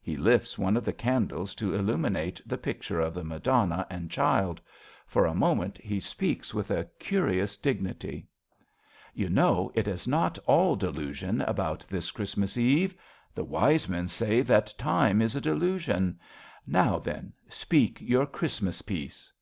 {He lifts one of the candles to illu minate the picture of the Madonna 51 RADA and child. For a unoment he speaks with a curious dignity.) You know it is not all delusion About this Christmas Eve. The wise men say That Time is a delusion. Now then, speak Your Christmas piece.